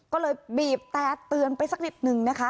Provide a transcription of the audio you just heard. ก็เลยบีบแต่เตือนไปสักนิดนึงนะคะ